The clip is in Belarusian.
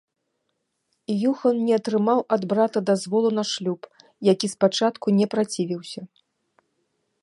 Юхан не атрымаў ад брата дазволу на шлюб, які спачатку не працівіўся.